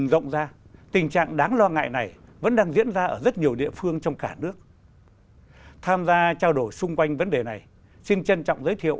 xin chào và hẹn gặp lại các bạn trong những video tiếp theo